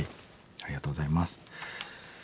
ありがとうございます。